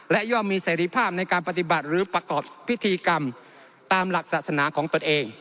และย่อมมีเสรีภาพในการปฏิบัติหรือประกอบพิธีกรรมตามหลักศาสนาของตนเอง